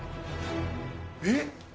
えっ。